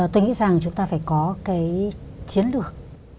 tôi nghĩ rằng chúng ta phải có cái chiến lược